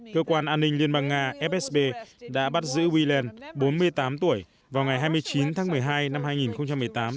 cơ quan an ninh liên bang nga fsb đã bắt giữ willand bốn mươi tám tuổi vào ngày hai mươi chín tháng một mươi hai năm hai nghìn một mươi tám